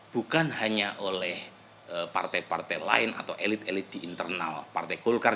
bukan hanya oleh partai partai lain atau elit elit di internal partai golkar